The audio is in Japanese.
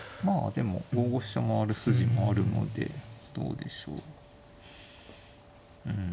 まあでも５五飛車回る筋もあるのでどうでしょう。